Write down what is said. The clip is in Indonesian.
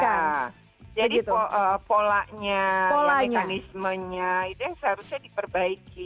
jadi polanya mekanismenya itu yang seharusnya diperbaiki